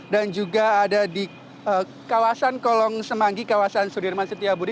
dan juga ada di kawasan kolong semanggi kawasan sudirman setiabudi